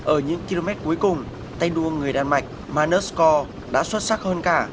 ở những km cuối cùng tay đua người đan mạch manesco đã xuất sắc hơn cả